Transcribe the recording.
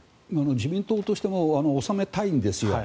自民党としても収めたいんですよ。